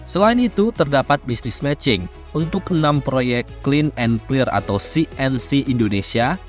selain itu terdapat business matching untuk enam proyek clean and clear atau cnc indonesia